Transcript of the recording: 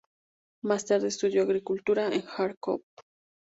Más tarde estudió agricultura en Járkov.